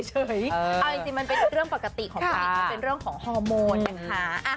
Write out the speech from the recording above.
อ่าจริงมันเป็นเรื่องปกติเป็นเรื่องของฮอร์โมน